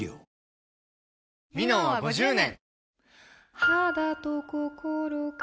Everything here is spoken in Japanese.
「ミノン」は５０年！